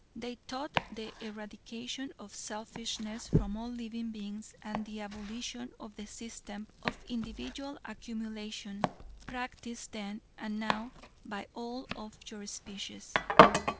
They taught the eradication of selfishness from all living beings and the abolition of the system of individual accumulation, practiced then and now by all of your species.